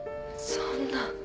そんな。